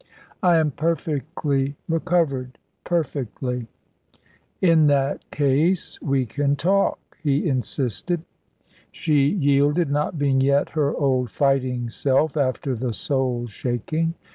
"I am perfectly recovered perfectly." "In that case we can talk," he insisted. She yielded, not being yet her old fighting self after the soul shaking.